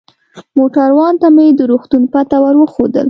موټروان ته مې د روغتون پته ور وښودل.